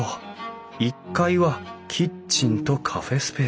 １階はキッチンとカフェスペース。